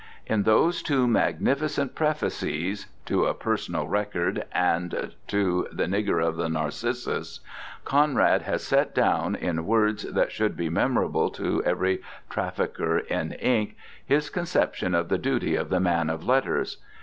In those two magnificent prefaces—to A Personal Record and to The Nigger of the Narcissus—Conrad has set down, in words that should be memorable to every trafficker in ink, his conception of the duty of the man of letters.